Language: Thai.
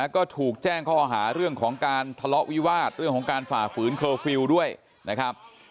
ก็ถูกแจ้งข้อหาเรื่องของการทะเลาะวิวาสเรื่องของการฝ่าฝืนเคอร์ฟิลล์ด้วยนะครับ